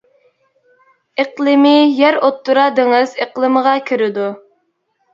ئىقلىمى يەر ئوتتۇرا دېڭىز ئىقلىمىغا كىرىدۇ.